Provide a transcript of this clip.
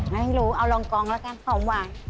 ไม่รู้เอารองกองแล้วกันของหวาน